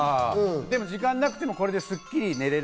時間がなくてもこれですっきり寝られる。